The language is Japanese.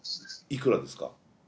いくらですか？